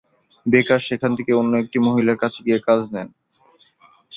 বেকার সেখান থেকে অন্য একটি মহিলার কাছে গিয়ে কাজ নেন।